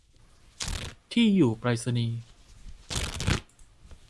ที่อยู่ไปรษณีย์